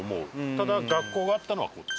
ただ学校があったのはこっち。